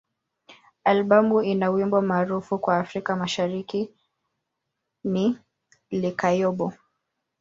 Albamu ina wimbo maarufu kwa Afrika Mashariki ni "Likayabo.